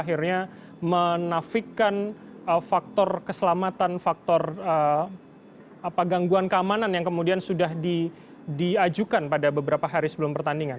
karena menafikan faktor keselamatan faktor gangguan keamanan yang kemudian sudah diajukan pada beberapa hari sebelum pertandingan